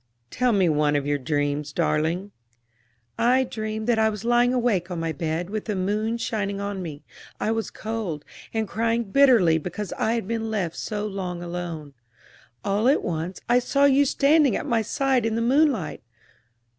"Tell me one of your dreams, darling." "I dreamed that I was lying awake on my bed, with the moon shining on me; I was cold, and crying bitterly because I had been left so long alone. All at once I saw you standing at my side in the moonlight.